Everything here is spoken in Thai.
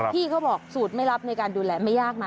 พี่เขาบอกสูตรไม่รับในการดูแลไม่ยากนะ